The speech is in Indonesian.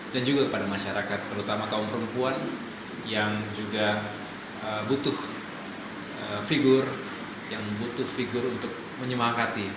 dan juga kepada masyarakat terutama kaum perempuan yang juga butuh figur yang butuh figur untuk menyemangkati